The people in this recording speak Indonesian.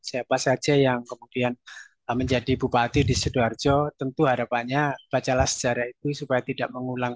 siapa saja yang kemudian menjadi bupati di sidoarjo tentu harapannya bacalah sejarah itu supaya tidak mengulang